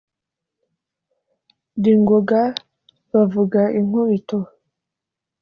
ndi ngoga bavuga inkubito